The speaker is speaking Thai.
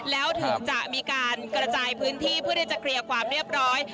แล้วถึงจะมีการกระจายพื้นที่เพื่อที่จะเคลียร์ความเรียบร้อย